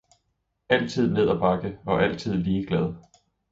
Altid ned ad bakke og altid lige glad!